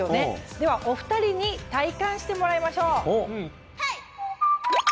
ではお２人に体感してもらいましょう。